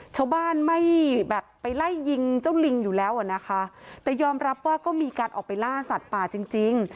ชาวบ้านไม่แบบไปไล่ยิงเจ้าลิงอยู่แล้วอ่ะนะคะแต่ยอมรับว่าก็มีการออกไปล่าสัตว์ป่าจริงจริง